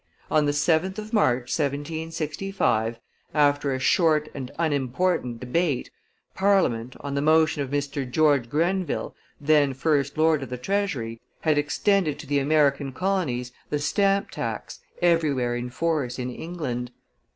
On the 7th of March, 1765, after a short and unimportant debate, Parliament, on the motion of Mr. George Grenville, then first lord of the treasury, had extended to the American colonies the stamp tax everywhere in force in England.